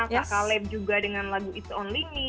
kak caleb juga dengan lagu it's only me